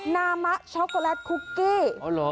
นามะช็อกโกแลตคุกกี้